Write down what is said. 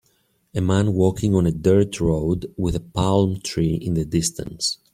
A man walking on a dirt road with a palm tree in the distance.